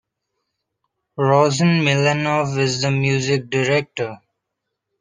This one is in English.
Rossen Milanov is the Music Director.